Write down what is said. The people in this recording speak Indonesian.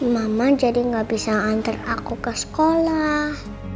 mama jadi nggak bisa nganter aku ke sekolah